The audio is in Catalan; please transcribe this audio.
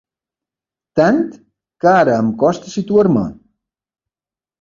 Tant, que ara em costa situar-me.